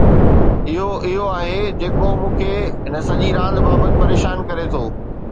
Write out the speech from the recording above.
اھو اھو آھي جيڪو مون کي ھن سڄي راند بابت پريشان ڪري ٿو.